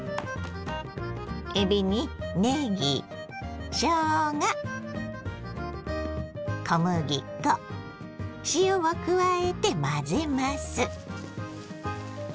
えびにねぎしょうが小麦粉塩を加えて混ぜます。